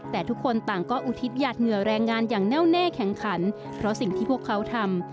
แต่ทุกคนต่างก็อุทิศหยาดเหงื่อแรงงานอย่างแน่วแน่แข็งขันเพราะสิ่งที่พวกเขาทำ